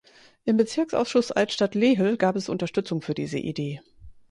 Im Bezirksausschuss Altstadt-Lehel gab es Unterstützung für diese Idee.